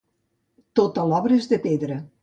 Tota l'obra és de pedra.